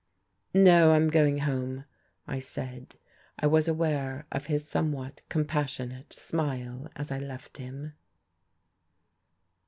"No, I'm going home," I said. I was aware of his somewhat compassionate smile as I left him....